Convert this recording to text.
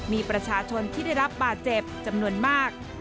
มีประชาชนที่ได้รับบาดเจ็บจำนวนมาก